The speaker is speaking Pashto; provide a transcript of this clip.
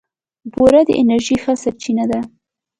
بوره د انرژۍ ښه سرچینه ده.